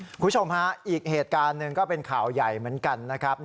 คุณผู้ชมฮะอีกเหตุการณ์หนึ่งก็เป็นข่าวใหญ่เหมือนกันนะครับ